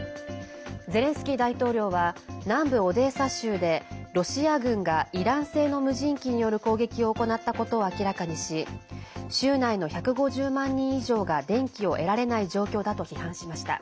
ゼレンスキー大統領は南部オデーサ州でロシア軍がイラン製の無人機による攻撃を行ったことを明らかにし州内の１５０万人以上が電気を得られない状況だと批判しました。